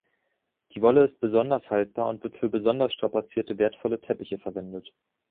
Die Wolle ist besonders haltbar und wird für besonders strapazierte, wertvolle Teppiche verwendet.